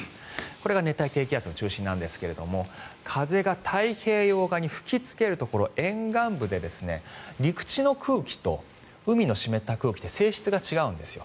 これが熱帯低気圧の中心ですが風が太平洋側に吹きつけるところ沿岸部で陸地の空気と海の湿った空気って性質が違うんですよ。